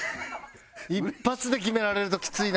一発で決められるときついな。